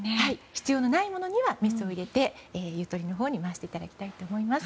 必要のないものにはメスを入れてゆとりのほうに回していただきたいと思います。